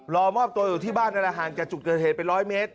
รอมอบตัวอยู่ที่บ้านห่างจากจุดเกิดเหตุเป็น๑๐๐เมตร